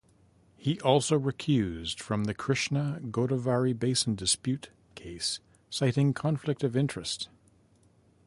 He also recused from the Krishna Godavari basin dispute case citing conflict of interest.